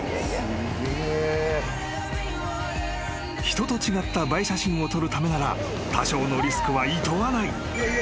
［人と違った映え写真を撮るためなら多少のリスクはいとわない］